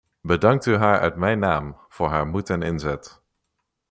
Bedankt u haar uit mijn naam voor haar moed en inzet.